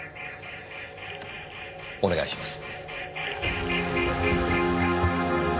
お願いします。